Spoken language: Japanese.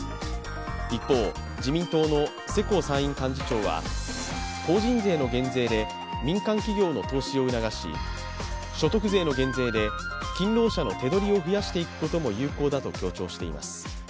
一方、自民党の世耕参院幹事長は法人税の減税で民間企業の投資を促し、所得税の減税で勤労者の手取りを増やしていくことも有効だと強調しています。